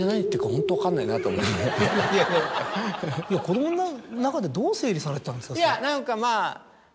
子供の中でどう整理されてたんですか？